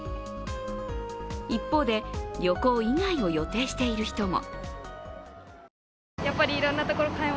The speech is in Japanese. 一方で、旅行以外を予定している人も。